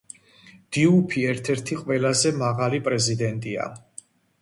დიუფი ერთ-ერთი ყველაზე მაღალი პრეზიდენტია.